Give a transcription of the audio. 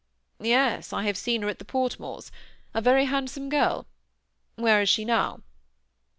" Yes; I have seen her at the Fortmores : a very handsome girl. Where is she now?"